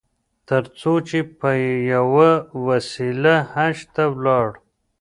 تر څو چې په یوه وسیله حج ته ولاړ.